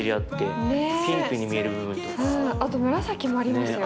あと紫もありますよ。